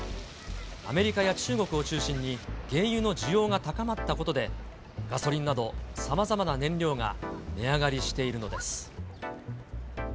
アメリカや中国を中心に原油の需要が高まったことで、ガソリンなどさまざまな燃料が値上がりしているのです。